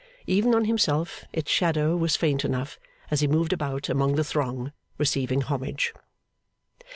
Even on himself, its shadow was faint enough as he moved about among the throng, receiving homage.